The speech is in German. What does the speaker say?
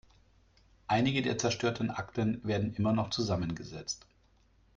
Einige der zerstörten Akten werden immer noch zusammengesetzt.